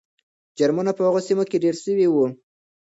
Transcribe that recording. جرمونه په هغو سیمو کې ډېر سوي وو.